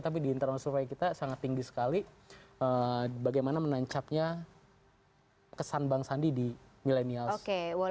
tapi di internal survey kita sangat tinggi sekali bagaimana menancapnya kesan bang sandi di milenial indonesia ini